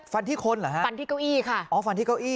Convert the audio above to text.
ฟันที่คนหรือค่ะอ๋อฟันที่เก้าอี้